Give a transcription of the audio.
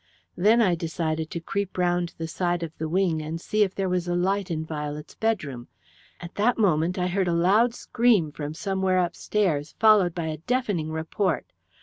Then I decided to creep round the, side of the wing and see if there was a light in Violet's bedroom. At that moment I heard a loud scream from somewhere upstairs, followed by a deafening report.